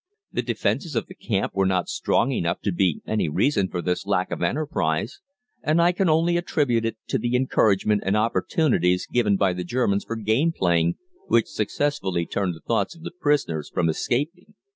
The defenses of the camp were not strong enough to be any reason for this lack of enterprise, and I can only attribute it to the encouragement and opportunities given by the Germans for game playing, which successfully turned the thoughts of the prisoners from escaping.